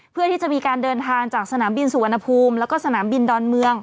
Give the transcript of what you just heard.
เพื่อที่จะมีการเดินทางจากสนามบินสุวรรณภูมิแล้วก็สนามบินดอนเมือง